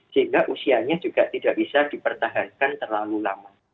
sehingga usianya juga tidak bisa dipertahankan terlalu lama